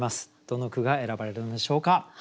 どの句が選ばれるのでしょうか。